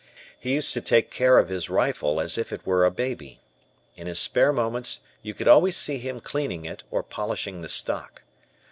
He used to take care of his rifle as if it were a baby. In his spare moments you could always see him cleaning it or polishing the stock.